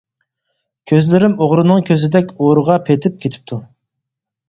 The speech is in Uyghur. كۆزلىرىم ئوغرىنىڭ كۆزىدەك ئورىغا پېتىپ كېتىپتۇ.